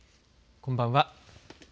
こんばんは。